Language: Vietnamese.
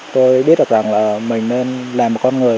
tôi biết được rằng là mình nên là một con người